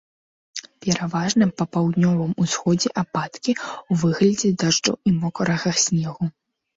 Пераважна па паўднёвым усходзе ападкі ў выглядзе дажджу і мокрага снегу.